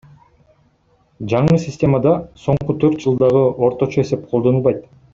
Жаңы системада соңку төрт жылдагы орточо эсеп колдонулбайт.